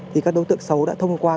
thì các đối tượng xấu đã thông qua